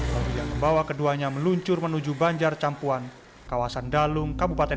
ketika pertemuan ini semakin dekat